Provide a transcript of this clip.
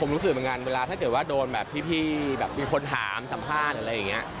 รู้สึกเหมือนกันเวลาถ้าโจวดบาปพี่แบบมีคนถามสัมภาษณ์อะไรอย่างเงี้ย